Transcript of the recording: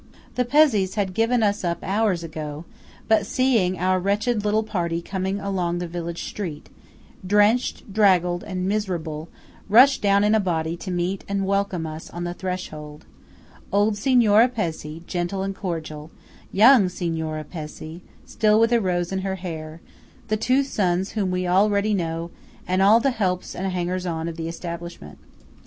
The Pezzés had given us up hours ago; but seeing our wretched little party coming along the village street, drenched, draggled, and miserable, rush down in a body to meet and welcome us on the threshold–old Signora Pezzé, gentle and cordial; young Signora Pezzé, still with a rose in her hair; the two sons whom we already know, and all the helps and hangers on of the establishment.